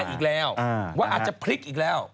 อีกแล้วว่าอาจจะพลิกอีกแล้ว